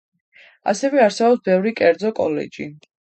ასევე არსებობს ბევრი კერძო კოლეჯი.